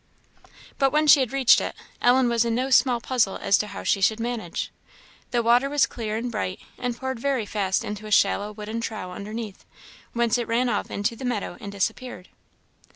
But when she had reached it, Ellen was in no small puzzle as to how she should manage. The water was clear and bright, and poured very fast into a shallow wooden trough underneath, whence it ran off into the meadow and disappeared.